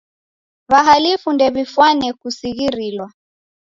W'ahalifu ndew'ifwane kusighirilwa.